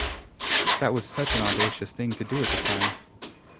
That was such an audacious thing to do at the time.